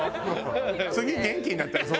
次元気になったら掃除しよう。